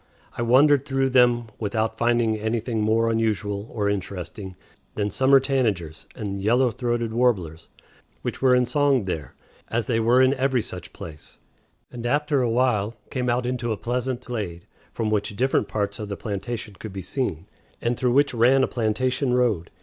I wandered through them without finding anything more unusual or interesting than summer tanagers and yellow throated warblers, which were in song there, as they were in every such place, and after a while came out into a pleasant glade, from which different parts of the plantation could be seen, and through which ran a plantation road.